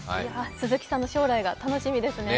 鈴木さんの将来が楽しみですね。